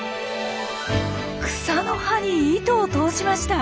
草の葉に糸を通しました！